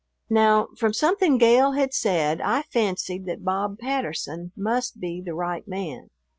Now, from something Gale had said I fancied that Bob Patterson must be the right man.